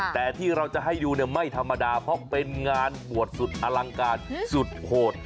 แต่ที่เราจะให้ดูเนี่ยไม่ธรรมดาเพราะเป็นงานบวชสุดอลังการสุดโหด